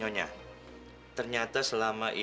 kalau nggak siapa yang akan melihat